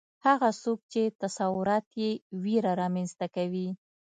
هغه څوک چې تصورات یې ویره رامنځته کوي